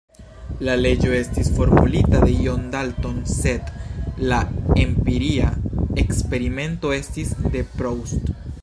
La leĝo estis formulita de John Dalton, sed la empiria eksperimento estis de Proust.